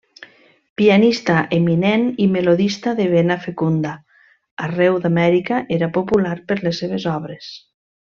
Pianista eminent i melodista de vena fecunda, arreu d'Amèrica era popular per les seves obres.